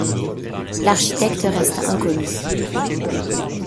L’architecte reste inconnu.